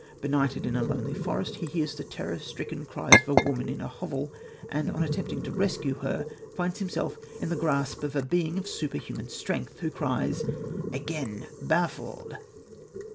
Benighted in a lonely forest, he hears the terror stricken cries of a woman in a hovel, and, on attempting to rescue her, finds himself in the grasp of a being of superhuman strength, who cries: "Again baffled!"